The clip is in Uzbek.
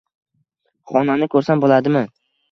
Xonani ko’rsam bo’ladimi?